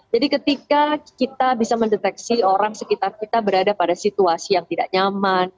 jadi ketika kita bisa mendeteksi orang sekitar kita berada pada situasi yang tidak nyaman